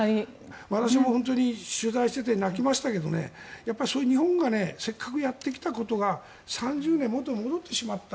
私も取材していて泣きましたがそういう、日本がせっかくやってきたことが３０年で元に戻ってしまった。